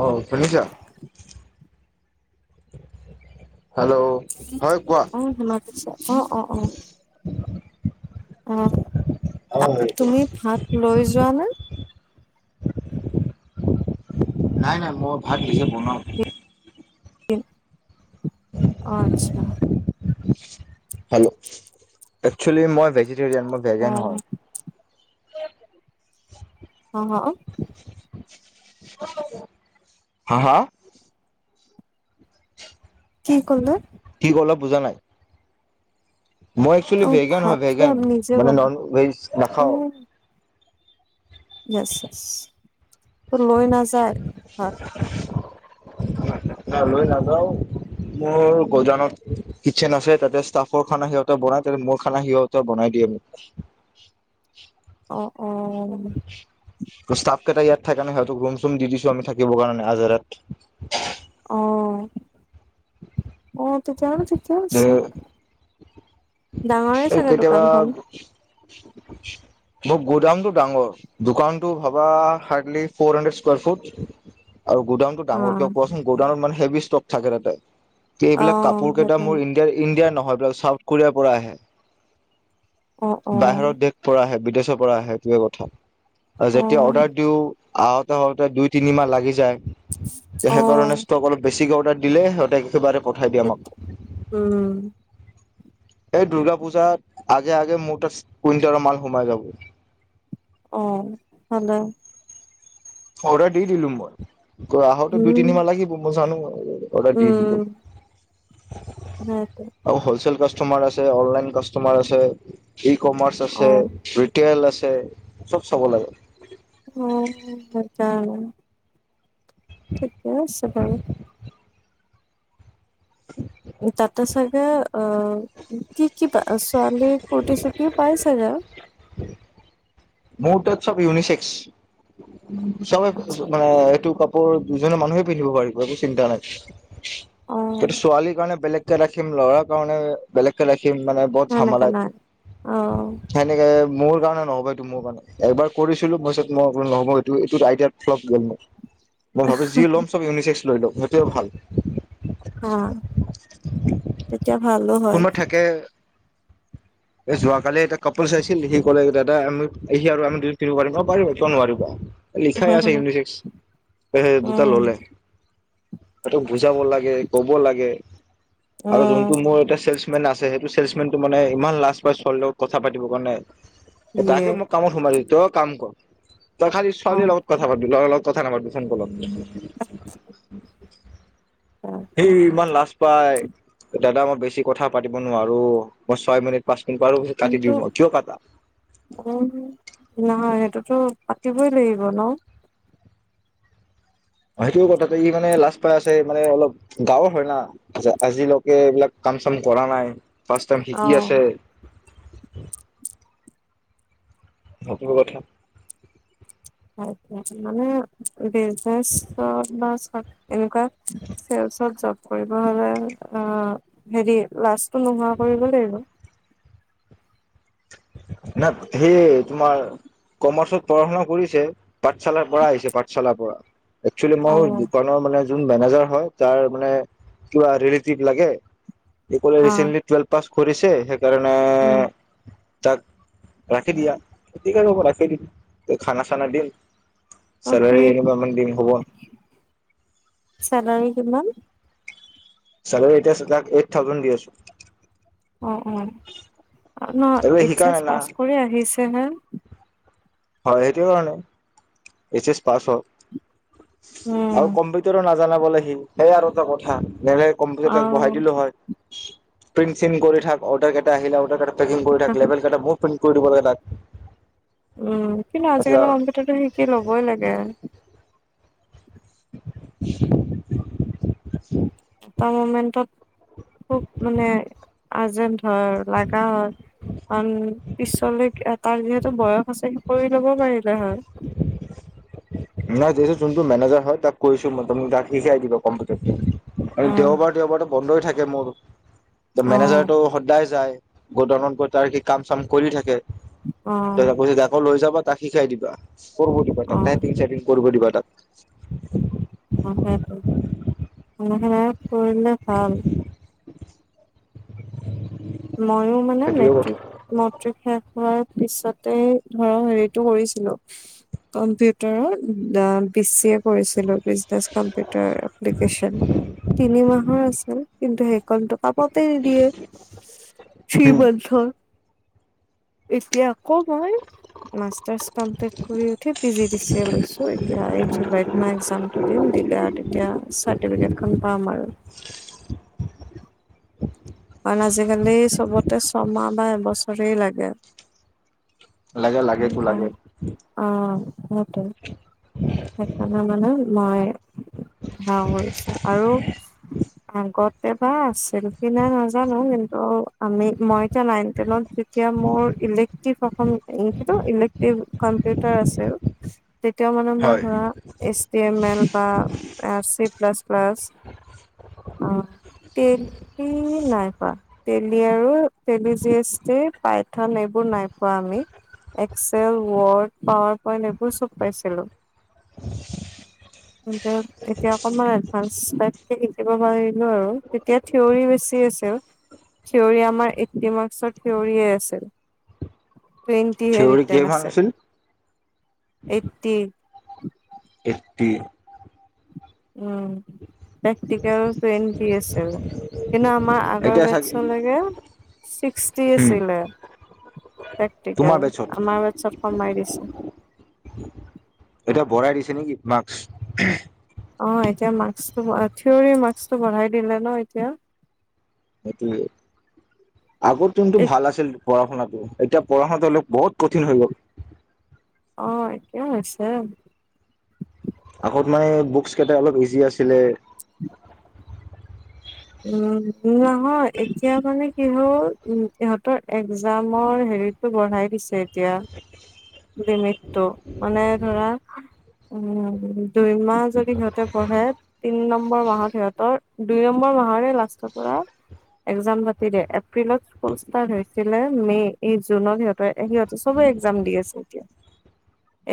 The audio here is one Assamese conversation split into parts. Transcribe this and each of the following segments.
অ শুনিছা হেল্ল' হয় কোৱা। অ শুনা পাইছো অ অ অ অ আপো হয় তুমি ভাত লৈ যোৱানে! নাই নাই মই ভাত নিজে বনাওঁ। আচ্ছা। হেল্ল' একচলি মই ভেজি হেইজন মোৰ গাৰজেণ্ট হয়। অ অ হা হা কি কলে কি কলা বুজা নাই। মই একচলি অ ভেগান হয় ভাতটো ভেগান আমি নিজে মানে বনাও নন ভেজ নাখাও মাছ চাছ এ লৈ নযায় ঘৰত [inaudible] মই লৈ নাযাও মোৰ গজানত কিটচন আছে তাতে ষ্টাফৰ খানা সিহতে বনাই তাতে মোৰ খানা সিহঁতে বনাই দিয়ে। [unintelligible] অঁ [unintelligible] ষ্টাফ কেইটা ইয়াত থাকে ন সিহতক ৰুম চুম দি দিছো আমি থাকিব কাৰণে আজাৰত অহ অহ তেতিয়া‌ হলে ঠিকে আছে। ডাঙৰে চাগে কেতিয়াবা দোকানখন মোক গোদামটো ডাঙৰ দোকানতটো ভাবা hardly four hundred square foot আৰু গোডাউন টো অ ডাঙৰ কিয় কোৱাচোন গোডাউনত মানে হেভি ষ্টক থাকে তাতে। অ এইবিলাক কাপোৰ কেইটা সেইটো মোৰ ইণ্ডিয়াৰ ইণ্ডিয়াৰ নহয় এইবিলাক চাউথ কোৰিয়াৰ পৰা আহে অ অ বাহিৰৰ দেশ পৰা আহে বিদেছৰ পৰা আহে সেইটোৱে কথা অ যেতিয়া অৰ্ডাৰ দিও আহোতে আওঁতে দুই তিনি মাহ লাগি যায় তে অ সেইকাৰণে ষ্টক অলপ বেছিকে অৰ্ডাৰ দিলে সিহঁতে একেবাৰে। পঠাই দিয়ে আমাক। উম এই দুূৰ্গা পূজাত আগে আগে মোৰ তাত কুইণ্টেলৰ মাল সোমাই যাব। অহ ভালেই অৰ্ডাৰ দি দিলো মই আহোতে দুই উম তিনি মাহ লাগিব মই জানো অৰ্ডাৰ দি দিলো। নাই পোৱা। মাৰ আছে অনলাইন কাষ্টমাৰ আছে ই কমাৰ্চ আছে অ ৰিটেইল আছে। চব চাব লাগে। উম মজা। ঠিকে আছে বাৰু। ত আতা চাগ অ কি কি প ছোৱালী ৰুটি চুটি পাইছে। হ [unintelligible] মোৰ তাত চব ইউনিচেক্স চব আচ্ছা মানে এইটো। দুজননে মানুহে পিন্ধিব পাৰিব একো চিন্তা নাই কিন্তু অ' ছোৱালীৰ কাৰণে বেলেগ। ৰাখিম লৰা কাৰণে বেলেগকে ৰাখিম। মানে বহুত সেনেকে ঝামালা নাই। এইবোৰ অ' সেনেকে মোৰ। কাৰণে নহ'ব এইটো মোৰ কাৰণে এবাৰ কৰিছিলো মইত মই নহ'ব এইটো এইটোত আইডিয়াত ফ্ল গ'ল মোৰ। মই ভাবো যি ল'ম চব ইউনিচেক্স লৈ লম সেইটোও ভাল। অঁ। কোনো থাকে। [unintelligible] এ যোৱাকালি এটা কাপোলছ আহিছিল সি কলে দাদা আমি সি আৰু আমি দু তিনিব পাৰিম পাৰিবা কিয় নোৱাৰিবা। লিখাই আছে উম। ইউনিচেক্স দুটা উম, ললে। হেটোক বুজাব লাগে কব লাগে আৰু যোনটো মোৰ এ। কিছুমান আছে সেইটো চমেনটো মানে ইমান লাজ পাই ছোৱালীৰ লগত কথা পাতিৰ কাৰণে। ইয়ে তাকে মই কামত সোমাই দি তই কাম কৰ। তই খালি অ' ছোৱালীৰ লগত কথা পাতি ল লগত কথা নাপাতিবি ফোন কলত। সি ইমান লাজ পাই দাদা আমাৰ বেছি। কথা পাতিব নোৱাৰো মই ছয় মিনিট পাচ। কিন্তু উ নহয় সেইটো। টো পাতিবই লাগিব ন। সেইটো কথাটো ই মানে লাজ পাই আছে মানে অলপ গৱৰ হয় না আজিলৈকে এইবিলাক। চাম কৰা নাই ফাৰ্ষ ট শিকি অ'। আছে। সেইটোৱেই কথা। মানে বিজনেত বা এনেকুৱা। চব কৰিব হলে অ হেৰি লাষ্টটো নোহোৱা কৰিব লাগিব। ন সেই তোমাৰ? কমাৰ্চত পঢ়া শুনা কৰিছে পাঠশালাৰ পৰা আহিছে পাঠশালাৰ পৰা। একচেলি অ মই দোকানৰ মানে য মেনেজাৰ হয় তাৰ মানে কিবা ৰিলেটিভ লাগে। এই কলে অ ৰিচেণ্টলি টুৱেলভ পাছ কৰিছে সেইকাৰণে। উম। তাক ৰাখি দিয়া খতি ৰাখি দিল খানা চানা দিম। অ সেই চেলৰি এনেুৱে দিম হ'ব। চেলাৰী কিমান চেলেৰী এতিয়া তাক এইট থাউজেণ্ড দি আছো। অ অ ন আৰু এইচ শিকা এচ নাই না পাছ কৰি আহিছে হে। হয় সেইটোৱে কাৰণে এইচ এচ, পাছ হওক। উম আৰু কম্পিউটাৰো নাজানাবলৈ সি সেইয়াই আৰু এটা কথা। নে অ কম্পিউটাৰাক বহাই দিলো হয় প্ৰিন্ট চ কৰি থাক অৰ্ডাৰ কেইটা আহিলে অদাৰ। থাকেল ক ম কৰি দিব লাগে তাক। উম কিন্তু এতিয়া আজিকালি কম্পিউটাৰটো শিকি লবই লাগে। [inaudible] এটা মমেন্টত খুব মানে আৰ্জেন্ট হয় লগা হয়। অ পিছলৈ তাৰ যিহেতু বয়স আছে সেই কৰি ল'ব পাৰি। আহহ। নাই দে যোনটো মেনেজাৰ হয় তাক কৈছো মই তুমি তাক শিকাই দিব কম্পিউটাৰ। আৰু উম, দেওবাৰ দেওবাৰতো বন্ধই থাকে মোৰ অ', মেনেজাৰটো সদায় যায়। গ'ডাউনত গৈ তাৰ সি কাম চাম কৰি থাকে অ', তাৰ পিছত আকৌ লৈ যাবা। তাক শিকাই দিবা কৰিব দিবা তাকাই। অ', কৰিবব দিবা তাত। ম কৰিলে ভাল। [unintelligible] ময়ো মানে সেইটোৱে কথা মেট্ৰিক মেট্ৰিক শেষ হোৱাৰ। পিছতে ধৰ হেৰিতটো কৰিছিলো। কম্পিউটাৰত বি চি এ। কৰিছিলো বিজনেছ কাম তো কম্পিউটাৰ এপ্লিকেচনৰ তিনিমাহ ৰ আছিলে কিন্ত। কণ কাপাতেই নি দিয়ে থ্ৰী উম, মাউত থৰ। এতিয়া আকৌ মই মাছ। মপ্লিট কৰি উঠি পি জি ডি চিয় লৈছো এতিয়া এই জুলাইত মই এক্জামটো দিম দিলে আৰু। এতিয়া চাৰ্টিফিকেট খ পাম আৰু। কাৰণ আজিকালি চবতে ছমাহ বা এবছৰেই লাগে। লাগে লাগেতো লাগে অ সটো। সেইকাৰণে মানে মই। হাছো আৰু আগতে বা আছিল কি না নহ। জানো কিন্তু আমি মই এতিয়া নাইনটেনত যেতিয়া মোৰ ইলে্টভ অসম। ইলেক্ট্ৰিক কম্পিউটাৰ আছে। তেতিয়া মানে মই হয় ধৰা এইচ ডি এম এল বা চি প্লাছ প্লাছ। অ তেলি না ই। তেলি আৰু তেলি জ পাইথন এইবোৰ নাই পোৱা আমি। এক্সেল ৱৰ্ড পাৱাৰ পইন্ট এইবোৰ চব পাইছিলোঁ। কিন্তু এতিয়া অকনমান এডভানস টাই শিকিব পাৰিলো আৰু তেতিয়া থিয়ৰ বেছি আছে। থিয়ৰ আমাৰ এইটটি মাৰ্কচৰ থিয়ৰয়ে আছিল। টুৱেণ্টিহে থিয়ৰী ৰিটাৰ্ণ কিমান আছে আছিল এইটটি। একটি। উম। প্ৰেকটিকেল দি আছিল কিন্তু আমাৰ আগৰ এতিয়া চাগে বছলৈকে। ছিক্সটি উম আছিলে। তোমাৰ প্ৰেক্টিকেল বেচত আমাৰ চত কমাই দিছে। বৰাই দিছে নেকি মাস্ক। অ এতিয়া মমাৰ্ক্সটো থিয়ৰ মাস্ক টো বঢ়াই দিলে ন এতিয়া। সেইটো আগৰ যোনতো ভাল আছিল। পঢ়া শুনাতটো এতিয়া পঢ়া শুনাটো লোক বহুত কঠিন হৈ গ'ল। অ কিয় আছে। আগত মানে বুকচ কেইটা অলপ ইজি আছিলে। উম নহয় এতিয়া মানে কি হ'ল। উম ইহঁতৰ এক্জামৰ হেৰিতটো বঢ়াই দিছে। এতিয়া লিমিটটো মানে ধৰা উম। দুই মাহ যদি সিহঁতে পঢ়ে তিন নম্বৰ মাহত সিহঁতৰ দুই নম্বৰ মাহত। এ লাষ্টৰ পৰা। একজাম পাতি দ এপ্ৰিলত স্কুল ষ্টাৰ্ট হৈছিলে মে এই জুনত সিহতে। সিহঁতে চবে এক্জাম দি আছে এতিয়া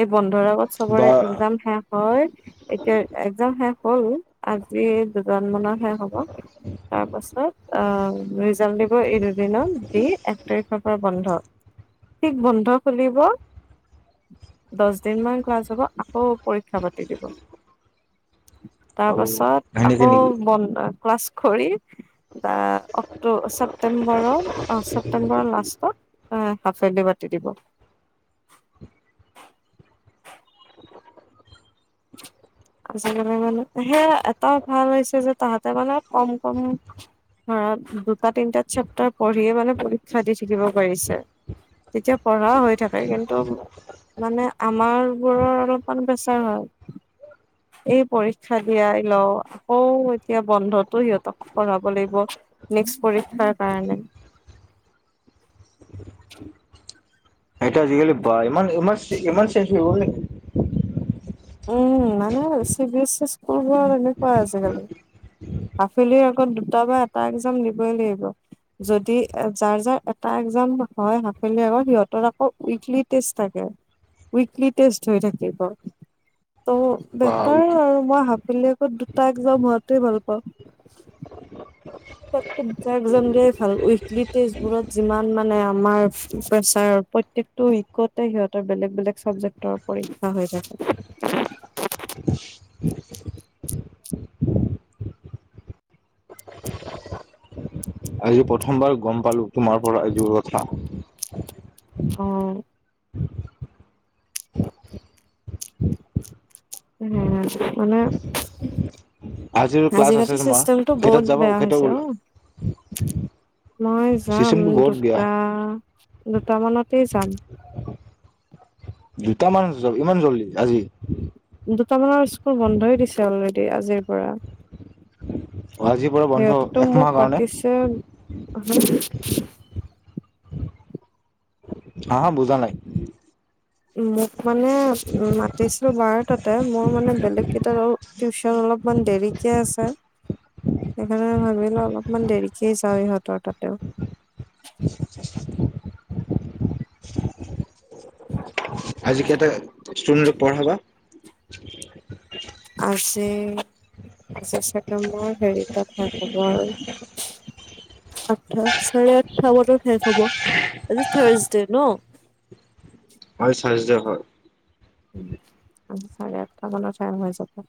এই বন্ধ। আগত বা চবৰে একজাম শেষ হয় এতিয়া একজাম শেষ হল আজি দু। জুন মানত শেষ হ'ব। তাৰ পাছত অ ৰিজাল্ট দিব এই দুদিনত দি এক তাৰিখ। পৰা বন্ধ ঠিক বন্ধ খুলিব দহ দিন মান ক্লাছ হব আকৌ পৰীক্ষা পাতি দিব তাৰ আৰু পাছত আকৌ সেনেকে নেকি বন্ধ ক্লাছ কৰি বা অক্টো চে ছেপটেম্বৰৰ ছেপ্টেম্বৰৰ লাষ্টত হাফেলি পাতি দিব [unintelligible] আজিকালি মানে সেয়া এটা ভাল হৈছে যে তাহাঁতে মানে কম কম ধৰা দুটা তিনিটা চেপ্তাৰ পঢ়িয়ে মানে পৰীক্ষা দি থাকিব পাৰিছে তেতিয়া পঢ়া হৈ থাকে কিন্তু মানে আমাৰ বোৰৰ অলপমান প্ৰেচাৰ হয় এই পৰীক্ষা দিয়াই লও আকৌ এতিয়া বন্ধতটো সিহঁতক পঢ়াব লাগিব নেক্স পৰীক্ষাৰ কাৰণে সেইটো আজিকালি বা ইমান ইমান ইমান চেঞ্জ হৈ গ'ল নেকি উম মানে চি বি এছ ই স্কুলবোৰ এনেকুৱা আজিকালি সাফেলিৰ আগত দুটা বা এটা একজাম দিবই লাগিব যদি যাৰ যাৰ এটা এটা একজাম হয় হাফেলি আগত সিহঁতৰ আকৌ উইকলি টেষ্ট থাকে উইকলি টেষ্ট হৈ থাকিব ত' বা বেতাৰ আৰু মই ভাবো বেলেগত দুটাক যাম হোৱাটোৱে ভাল পাওঁ তাত কৈ দুটা একজাম দিয়াই ভাল উইকলি টেষ্টবোৰত যিমান মানে আমাৰ প্ৰেচাৰ প্ৰত্যয়ক টো ইকতে সিহঁতৰ বেলেগ বেলেগ চাবজেক্টৰ পৰীক্ষা হৈ থাকে। [unintelligible] আৰু প্ৰথমবাৰ গম পালো তোমাৰ পৰা এইযোৰ কথা। অ। হ মানে। আজিৰ ক্লাছ আছে আজিকালি তোমাৰ চিষ্টষ্টেমটো কেইটাত বহুত যাবা বেয়া কেইটা হৈছে অ। ওলা মই যাম চিষ্টেমটো বহুত বেয়া দুটা। দুটামানতেই যাম। দুটামান ইমান জল্দি আজি দুটামানৰ স্কুল বন্ধই দিছে অলৰেডি আজিৰ পৰা। আজিৰ পৰা বন্ধ সিহঁতেটো একমাহৰ মোক কাৰণে মাতিছে। হা হা বুজা নাই। মোক মানে উ। পাতিছিলো বাৰ তাতে মোৰ মানে বেলেগ কেইট টিউচন অলপমান দেৰিকে আছে। সেইকাৰণে ভাবিলো অলপমান দেৰিকেই যাওঁ ইহঁতৰ তাতেও। আজিকে কেইটা ষ্টুডেন্টক পঢ়াবা। আজি, আজ চাগে মই হেৰিতা হ'ব আৰু আঠ চাৰে আঠটা বজাত শেষ হ'ব, আজি থাৰছডে ন। [unintelligible] হয় থাৰছডে হয়। উ চাৰে আঠটা মানত টাইম হৈ যাব।